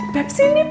beb sini beb